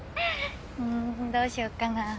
んんどうしようかな。